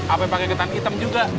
apa yang pakai ketan hitam juga